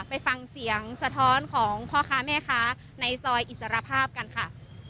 ไปฟังเสียงสะท้อนของพ่อค้าแม่ค้าในซอยอิสรภาพกันค่ะ